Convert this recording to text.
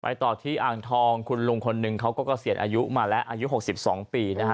ต่อที่อ่างทองคุณลุงคนหนึ่งเขาก็เกษียณอายุมาแล้วอายุ๖๒ปีนะฮะ